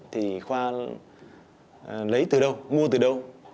thì khoa lấy từ đâu mua từ đâu